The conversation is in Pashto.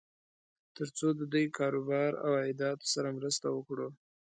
تر څو د دوی کار و بار او عایداتو سره مرسته وکړو.